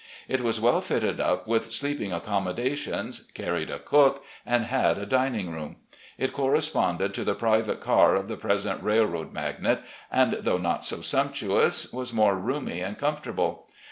It was well fitted up with sleeping accommodations, carried a cook, and had a dining room. It corresponded to the private car of the present railroad magnate, and, though not so sumptuous, was more roomy and comfortable.